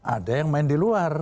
ada yang main di luar